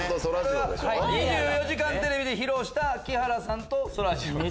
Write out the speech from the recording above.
『２４時間テレビ』で披露した木原さんとそらジロー。